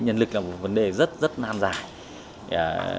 nhân lực là một vấn đề rất rất nan giải